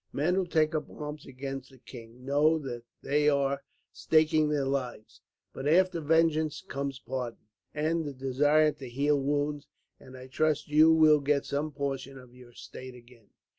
Men who take up arms against a king know that they are staking their lives; but after vengeance comes pardon, and the desire to heal wounds, and I trust that you will get some portion of your estate again.